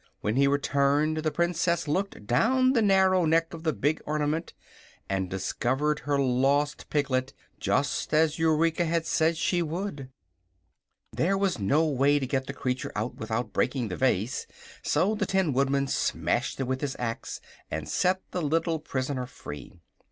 When he returned the Princess looked down the narrow neck of the big ornament and discovered her lost piglet, just as Eureka had said she would. There was no way to get the creature out without breaking the vase, so the Tin Woodman smashed it with his axe and set the little prisoner free.